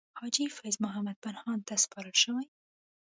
حاجي فضل محمد پنهان ته سپارل شوې.